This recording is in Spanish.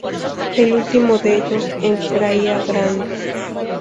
El último de ellos en Praia Grande.